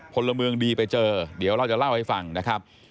พลเมืองดีไปเจอเดี๋ยวเราจะเล่าให้ฟังนะครับ